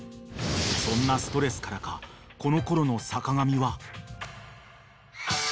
［そんなストレスからかこのころの坂上は］